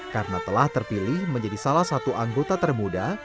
karena telah terpilih menjadi salah satu anggota termuda